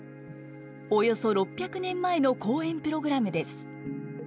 およそ６００年前の公演プログラムです。